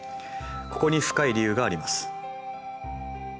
ここに深い理由があります。